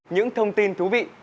những thông tin thú vị